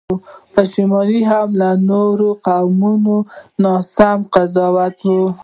پښتانه هم نور اقوام ناسم قضاوتوي.